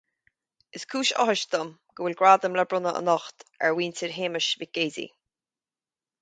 Is cúis áthais dom go bhfuil Gradam le bronnadh anocht ar Mhuintir Shéamuis Mhic Géidigh